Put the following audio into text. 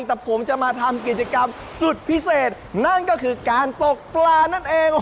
แต่ผมจะมาทำกิจกรรมสุดพิเศษนั่นก็คือการตกปลานั่นเอง